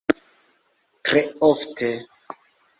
Tre ofte.